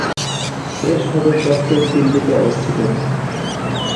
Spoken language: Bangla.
এর সদর দপ্তর দিল্লিতে অবস্থিত।